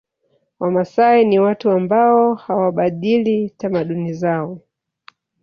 Wamasai ni watu wa ambao hawabadili tamaduni zao